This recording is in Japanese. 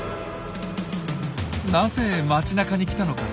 なぜ街なかに来たのか？